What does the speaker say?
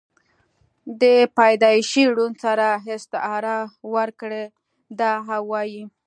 دَپيدائشي ړوند سره استعاره ورکړې ده او وائي: